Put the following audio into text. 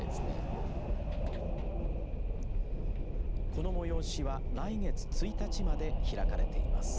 この催しは、来月１日まで開かれています。